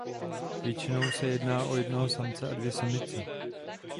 Většinou se jedná o jednoho samce a dvě samice.